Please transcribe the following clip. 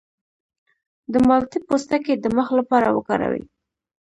د مالټې پوستکی د مخ لپاره وکاروئ